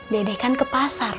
dede kan ke pasar